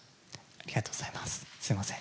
ありがとうございます。